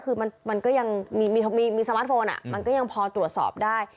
คือมันก็ยังมีสมาร์ทโฟนมันก็ยังพอตรวจสอบได้